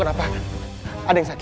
kenapa kakak aku gak bisa gerak pak